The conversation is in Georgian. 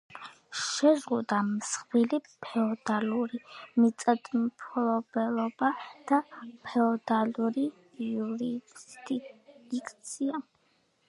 შეზღუდა მსხვილი ფეოდალური მიწათმფლობელობა და ფეოდალური იურისდიქცია.